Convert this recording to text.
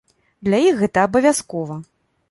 Для іх гэта абавязкова.